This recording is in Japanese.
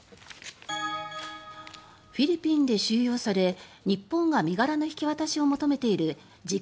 フィリピンで収容され日本が身柄の引き渡しを求めている事件